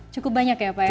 cukup banyak ya pak ya